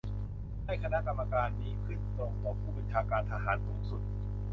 ให้คณะกรรมการนี้ขึ้นตรงต่อผู้บัญชาการทหารสูงสุด